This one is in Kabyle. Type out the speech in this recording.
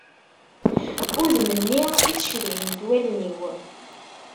Udem-nni i ttcedhin-t wallen-iw.